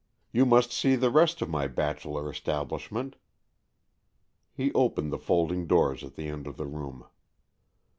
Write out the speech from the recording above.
"You must see the rest of my bachelor establishment." He opened the folding doors at the end of the room.